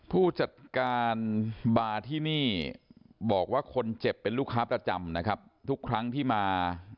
ผู้จัดการบาร์ที่นี่บอกว่าคนเจ็บเป็นลูกค้าประจำนะครับทุกครั้งที่มา